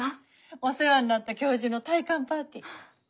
お世話になった教授の退官パーティー。